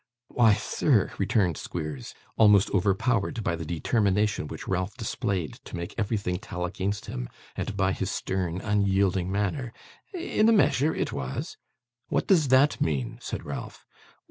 'Why, sir,' returned Squeers, almost overpowered by the determination which Ralph displayed to make everything tell against him, and by his stern unyielding manner, 'in a measure it was.' 'What does that mean?' said Ralph.